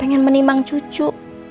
pengen menimang cucu